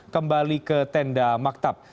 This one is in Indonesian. kembali ke tenda maktab